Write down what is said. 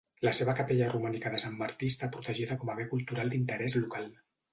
La seva capella romànica de Sant Martí està protegida com a bé cultural d'interès local.